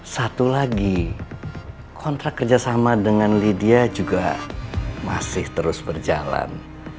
satu lagi kontrak kerjasama dengan lydia juga masih terus berjalan